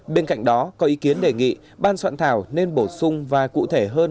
bên cạnh đó có ý kiến đề nghị ban soạn thảo nên bổ sung và cụ thể hơn